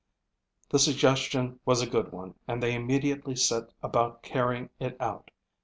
The suggestion was a good one and they immediately set about carrying it out.